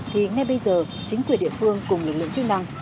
thì ngay bây giờ chính quyền địa phương cùng lực lượng chức năng